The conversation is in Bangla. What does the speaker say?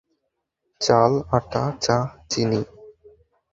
চাল, আটা, চা, চিনি।